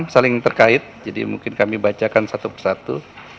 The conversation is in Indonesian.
enam saling terkait jadi mungkin kami bacakan satu ke satu